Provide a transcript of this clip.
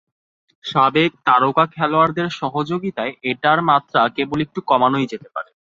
সাবেক তারকা খেলোয়াড়দের সহযোগিতায় এটার মাত্রা কেবল একটু কমানোই যেতে পারে।